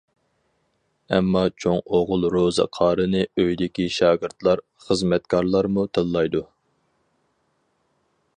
ئەمما چوڭ ئوغۇل روزى قارىنى ئۆيدىكى شاگىرتلار، خىزمەتكارلارمۇ تىللايدۇ.